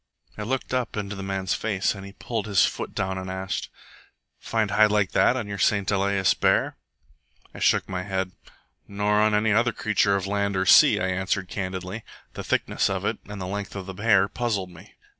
I looked up into the man's face, and he pulled his foot down and asked, "Find hide like that on your St Elias bear?" I shook my head. "Nor on any other creature of land or sea," I answered candidly. The thickness of it, and the length of the hair, puzzled me.